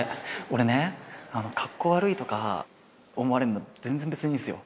俺ねカッコ悪いとか思われんの全然別にいいですよ。